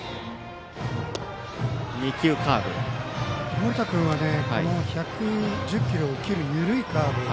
盛田君は１１０キロを切る緩いカーブ。